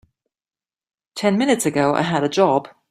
Ten minutes ago I had a job.